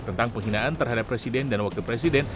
tentang penghinaan terhadap presiden dan wakil presiden